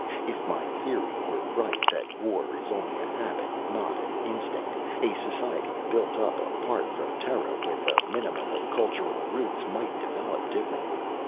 If my theory were right that war is only a habit, not an instinct, a society built up apart from Terra with a minimum of cultural roots might develop differently.